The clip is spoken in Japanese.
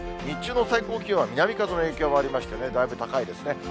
日中の最高気温は南風の影響もありまして、だいぶ高いですね。